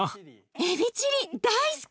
エビチリ大好き！